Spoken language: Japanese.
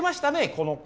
この子。